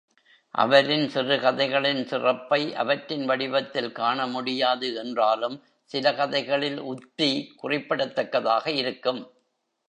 அவரின் சிறுகதைகளின் சிறப்பை அவற்றின் வடிவத்தில் காண முடியாது என்றாலும் சில கதைகளில் உத்தி குறிப்பிடத்தக்கதாக இருக்கும்.